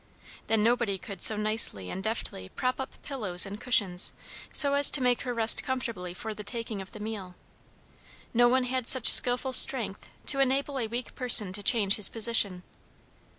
Then nobody could so nicely and deftly prop up pillows and cushions so as to make her rest comfortably for the taking of the meal; no one had such skilful strength to enable a weak person to change his position.